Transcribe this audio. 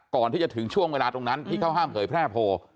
ก่อนที่จะถึงช่วงเวลาตรงนั้นที่เขาห้ามเผยแพร่โพล